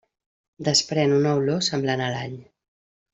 Desprèn una olor semblant a l'all.